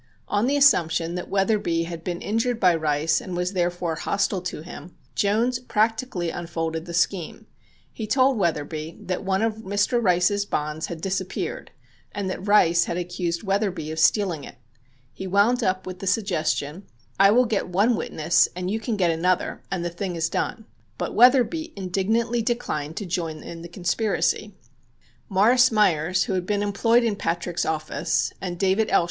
On the assumption that Wetherbee had been injured by Rice and was therefore hostile to him, Jones practically unfolded the scheme. He told Wetherbee that one of Mr. Rice's bonds had disappeared and that Rice had accused Wetherbee of stealing it. He wound up with the suggestion, "I will get one witness and you can get another, and the thing is done." But Wetherbee indignantly declined to join in the conspiracy. Morris Meyers, who had been employed in Patrick's office, and David L.